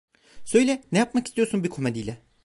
Söyle, ne yapmak istiyorsun bir komediyle?